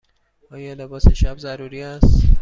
آیا لباس شب ضروری است؟